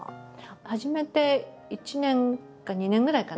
始めて１年か２年ぐらいかな。